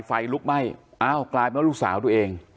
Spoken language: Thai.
ไฟลุกไหม้อ้าวกลายเป็นว่าลูกสาวตัวเอง